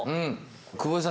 久保井さん